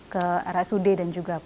ke rsud dan juga